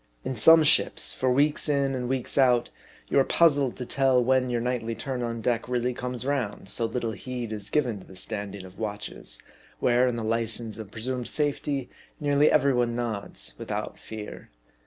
In some ships, for weeks in and weeks out, you are puzzled to iell when your nightly turn on deck really comes round ; so little heed is given to the standing of watches, where in the license of presumed safety, nearly every one nods without fear.